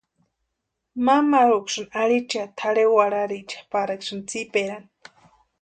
Mamaruksïni arhichiati tʼarhe warhariecha pariksï tsiperani.